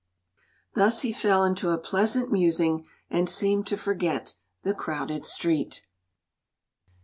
Thus he fell into a pleasant musing and seemed to forget the crowded street.